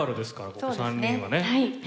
ここ３人はね。